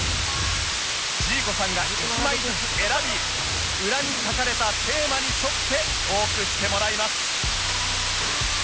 ジーコさんが１枚ずつ選び裏に書かれたテーマに沿ってトークしてもらいます